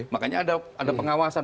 makanya ada pengawasan